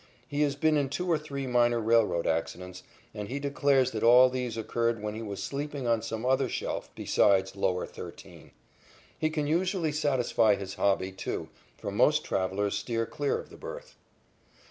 He has been in two or three minor railroad accidents, and he declares that all these occurred when he was sleeping on some other shelf besides "lower 13." He can usually satisfy his hobby, too, for most travellers steer clear of the berth.